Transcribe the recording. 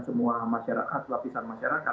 semua lapisan masyarakat